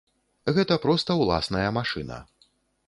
Гэта проста ўласная машына.